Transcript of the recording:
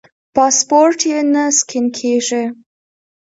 پاسپورټ یې نه سکېن کېږي.